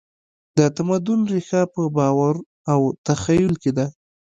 د تمدن ریښه په باور او تخیل کې ده.